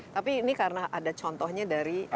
tapi ini karena ada contohnya dari